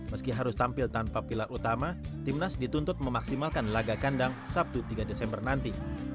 meski harus tampil tanpa pilar utama timnas dituntut memaksimalkan laga kandang sabtu tiga desember nanti